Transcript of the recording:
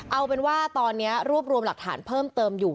เอาเป็นว่าตอนนี้รวบรวมหลักฐานเพิ่มเติมอยู่